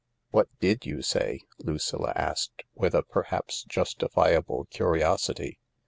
"What did you say ?" Lucilla asked, with a perhaps justifiable curiosity.